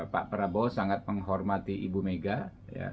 pak prabowo sangat menghormati ibu mega ya